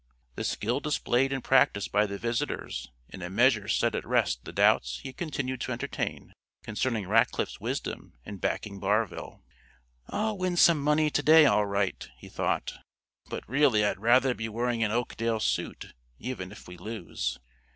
The skill displayed in practice by the visitors in a measure set at rest the doubts he had continued to entertain concerning Rackliff's wisdom in backing Barville. "I'll win some money to day, all right," he thought; "but, really, I'd rather be wearing an Oakdale suit, even if we lose."